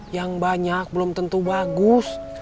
yang banyak belum tentu bagus